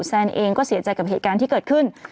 แซนเองก็เสียใจกับเหตุการณ์ที่เกิดขึ้น